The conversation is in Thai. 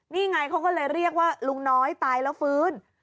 นี่ไงเขาก็เลยเรียกว่าลุงน้อยตายแล้วฟื้น